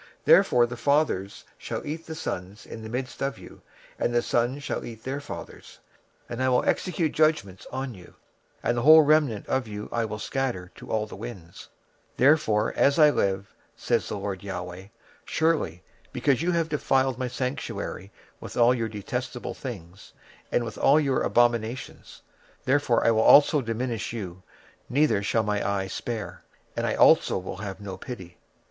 26:005:010 Therefore the fathers shall eat the sons in the midst of thee, and the sons shall eat their fathers; and I will execute judgments in thee, and the whole remnant of thee will I scatter into all the winds. 26:005:011 Wherefore, as I live, saith the Lord GOD; Surely, because thou hast defiled my sanctuary with all thy detestable things, and with all thine abominations, therefore will I also diminish thee; neither shall mine eye spare, neither will I have any pity.